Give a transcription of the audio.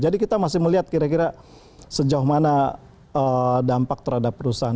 jadi kita masih melihat kira kira sejauh mana dampak terhadap perusahaan